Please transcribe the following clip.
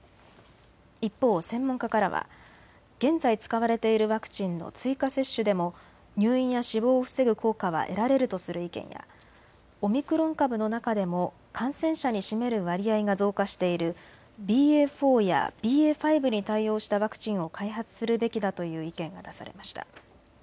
一方、専門家からは現在使われているワクチンの追加接種でも入院や死亡を防ぐ効果は得られるとする意見やオミクロン株の中でも感染者に占める割合が増加しているＢＡ．４やＢＡ．５に対応したワクチンを開発するべきだという意見が出されました。